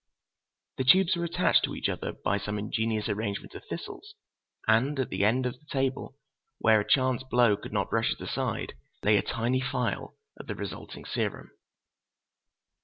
The tubes were attached to each other by some ingenious arrangement of thistles, and at the end of the table, where a chance blow could not brush it aside, lay a tiny phial of the resulting serum.